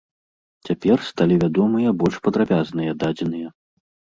Цяпер сталі вядомыя больш падрабязныя дадзеныя.